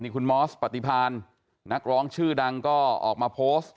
คุณมอสปฏิพานนักร้องชื่อดังก็ออกมาโพสต์